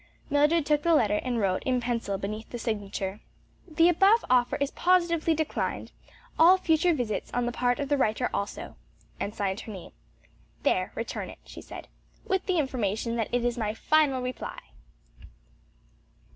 Mildred took the letter and wrote, in pencil, beneath the signature, "The above offer is positively declined; all future visits on the part of the writer also," and signed her name. "There, return it," she said, "with the information that it is my final reply."